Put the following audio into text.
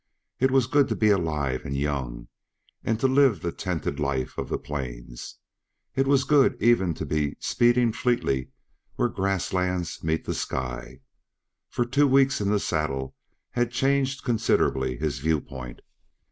It was good to be alive and young, and to live the tented life of the plains; it was good even to be "speeding fleetly where the grassland meets the sky " for two weeks in the saddle had changed considerably his view point.